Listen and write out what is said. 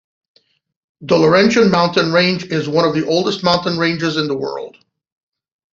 The Laurentian Mountain range is one of the oldest mountain ranges in the world.